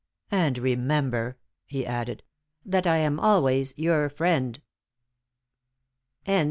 "And remember," he added, "that I am always your friend friend."